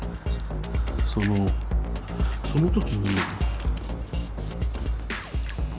そのその時に。